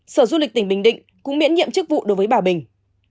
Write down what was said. sở du lịch tỉnh bình định cũng miễn nhiệm chức vụ đối với bà bình